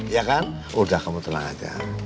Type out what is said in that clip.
ya kan udah kamu tenang aja